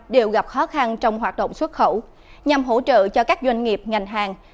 đều gặp khó khăn trong hoạt động xuất khẩu nhằm hỗ trợ cho các doanh nghiệp ngành hàng